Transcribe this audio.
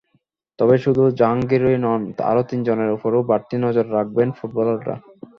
তবে শুধু জাহোঙ্গীরই নন, আরও তিনজনের ওপরও বাড়তি নজর রাখবেন ফুটবলাররা।